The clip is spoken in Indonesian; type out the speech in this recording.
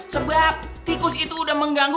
sebab tikus itu udah mengganggu